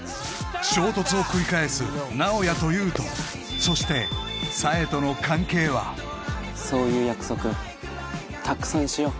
衝突を繰り返す直哉と優斗そしてそういう約束たくさんしよう